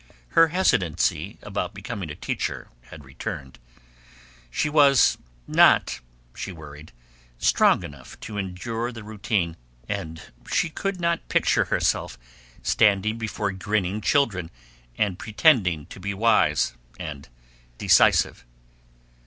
Her hesitancy about becoming a teacher had returned. She was not, she worried, strong enough to endure the routine, and she could not picture herself standing before grinning children and pretending to be wise and decisive.